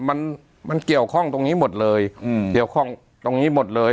มันเกี่ยวข้องตรงนี้หมดเลย